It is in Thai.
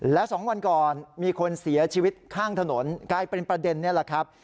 และ๒วันก่อนมีคนเสียชีวิตข้างถนนกลายเป็นประเด็นนี้แหละครับ